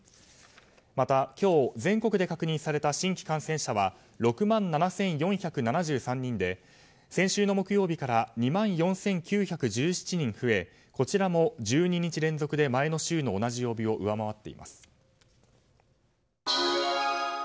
また今日、全国で確認された新規感染者は６万７４７３人で先週の木曜日から２万４９１７人増えこちらも１２日連続で前の週の同じ曜日を上回っています。